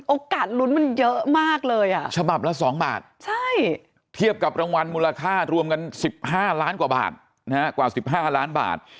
โอกาสลุ้นมันเยอะมากเลยฉบับละ๒บาทเทียบกับรางวัลมูลค่ารวมกัน๑๕ล้านวันกว่าบาท